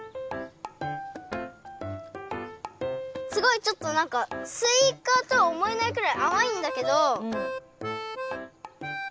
すごいちょっとなんかすいかとはおもえないくらいあまいんだけど。